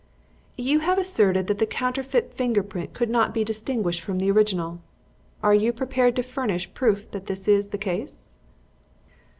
"You have asserted that the counterfeit finger print could not be distinguished from the original. Are you prepared to furnish proof that this is the case?"